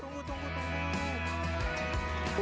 tunggu tunggu tunggu